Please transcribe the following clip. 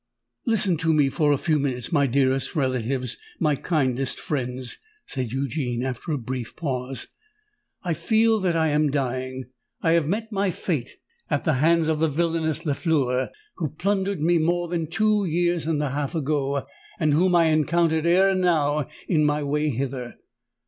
"Listen to me for a few minutes, my dearest relatives—my kindest friends," said Eugene, after a brief pause. "I feel that I am dying—I have met my fate at the hands of the villanous Lafleur, who plundered me more than two years and a half ago, and whom I encountered ere now in my way hither.